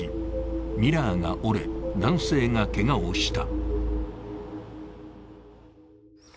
ミラーが折れ、男性がけがをした。